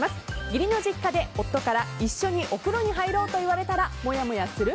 義理の実家で夫から一緒にお風呂に入ろうと言われたらもやもやする？